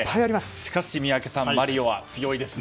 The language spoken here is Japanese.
しかし宮家さんマリオは強いですね。